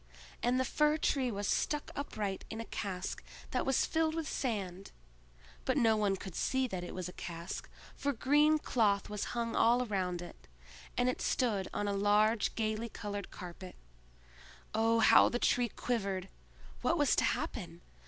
And the Fir tree was stuck upright in a cask that was filled with sand: but no one could see that it was a cask, for green cloth was hung all round it, and it stood on a large gayly colored carpet. Oh, how the Tree quivered! What was to happen?